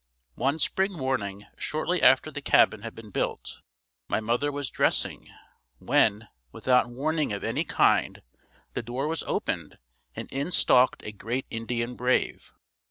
One spring morning shortly after the cabin had been built, my mother was dressing, when, without warning of any kind, the door was opened and in stalked a great Indian brave.